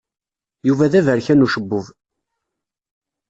Yuba d aberkan ucebbub.